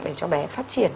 để cho bé phát triển